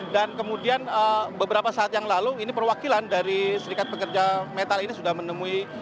dan kemudian beberapa saat yang lalu ini perwakilan dari serikat pekerja meta ini sudah menemui